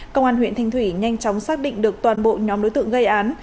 công an huyện thanh thủy nhanh chóng xác định được toàn bộ nhóm đối tượng gây án